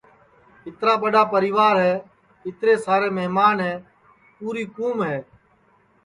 اِترا ٻڈؔا پریوار ہے اِترے سارے مہمان ہے پُوری کُوم ہے